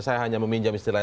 saya hanya meminjam istilahnya